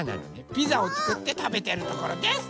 ピザをつくってたべてるところです！